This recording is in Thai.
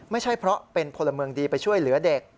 ไม่ใช่เพราะเป็นพลเมืองดีไปช่วยเหลือเด็ก